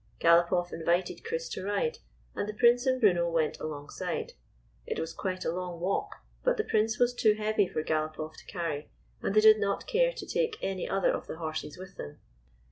Galopoff invited Chris to ride, and the Prince and Bruno went alongside. It was quite a long walk, but the Prince was too heavy for Galopoff THE MARCH UPON THE FOE to carry, and they did not care to take any other of the horses with them.